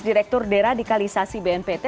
direktur deradikalisasi bnpt